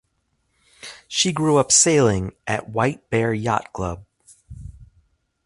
She grew up sailing at White Bear Yacht Club.